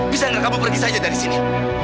bisa nggak kamu pergi saja dari sini